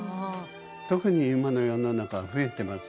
特に今の世の中増えています